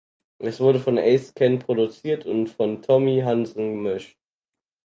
Es wurde von Ace Kent produziert und von Tommy Hansen gemischt.